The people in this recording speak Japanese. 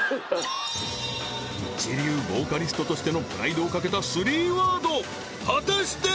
一流ボーカリストとしてのプライドを懸けた３ワード果たして